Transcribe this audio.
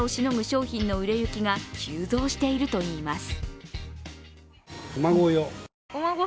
商品の売れ行きが急増しているといいます。